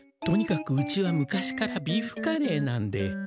とにかくうちは昔からビーフカレーなんで。